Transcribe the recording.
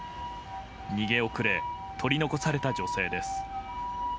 逃げ遅れ、取り残された女性です。